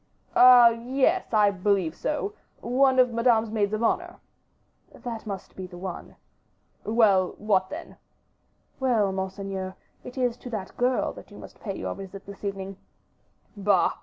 "Ah! yes, I believe so; one of Madame's maids of honor." "That must be the one." "Well, what then?" "Well, monseigneur, it is to that young girl that you must pay your visit this evening." "Bah!